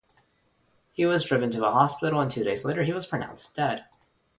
He was driven to a hospital where two days later he was pronounced dead.